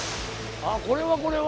あこれはこれは。